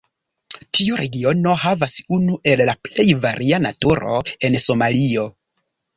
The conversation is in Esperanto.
Tiu regiono havas unu el la plej varia naturo en Somalio.